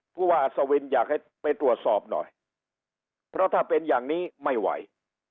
ผู้ว่าอัศวินอยากให้ไปตรวจสอบหน่อยเพราะถ้าเป็นอย่างนี้ไม่ไหว